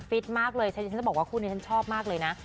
ฟิตมากเลยฉันจะบอกว่าคู่นี้ฉันชอบมากเลยนะ